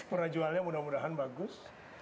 pernah jualnya mudah mudahan bagus